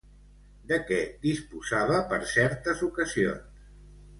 De què disposava per certes ocasions?